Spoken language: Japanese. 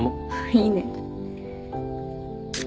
いいね。